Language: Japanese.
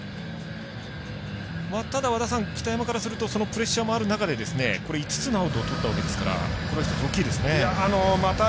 ただ、北山からするとプレッシャーもある中で５つのアウトをとったわけですから１つ大きいですね。